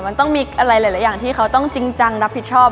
มันต้องมีอะไรหลายอย่างที่เขาต้องจริงจังรับผิดชอบ